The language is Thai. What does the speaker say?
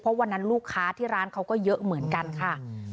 เพราะวันนั้นลูกค้าที่ร้านเขาก็เยอะเหมือนกันค่ะ